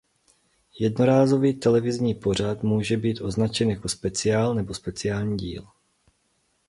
Jednorázový televizní pořad může být označen jako „speciál“ nebo „speciální díl“.